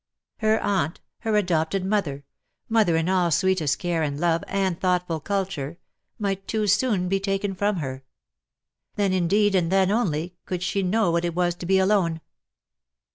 Her aunt, her adopted mother — mother in all sweetest care and love and thoughtful culture — might too soon be taken from her. Then indeed, and then only, could she know what it was to be alone.